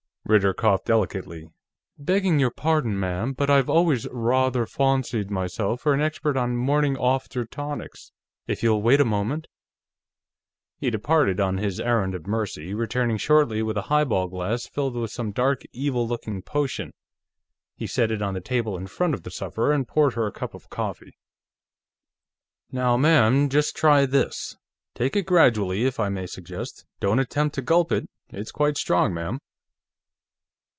Ritter coughed delicately. "Begging your pardon, ma'am, but I've always rawther fawncied myself for an expert on morning awfter tonics. If you'll wait a moment " He departed on his errand of mercy, returning shortly with a highball glass filled with some dark, evil looking potion. He set it on the table in front of the sufferer and poured her a cup of coffee. "Now, ma'am; just try this. Take it gradually, if I may suggest. Don't attempt to gulp it; it's quite strong, ma'am."